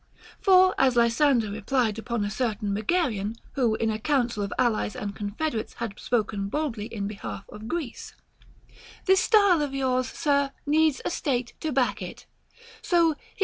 For, as Lysander replied upon a certain Megarian, who in a council of allies and confederates had spoken boldly in behalf of Greece, This style of yours, sir, needs a state to back it ; so he who * Odyss.